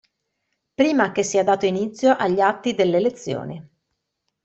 Prima che sia dato inizio agli atti dell'elezione.